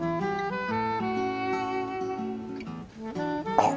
あっ！